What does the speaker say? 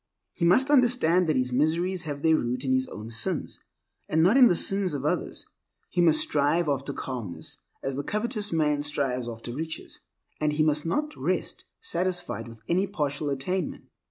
He must understand that his miseries have their root in his own sins, and not in the sins of others. He must strive after calmness as the covetous man strives after riches; and he must not rest satisfied with any partial attainment.